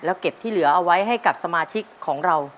เก็บที่เหลือเอาไว้ให้กับสมาชิกของเรา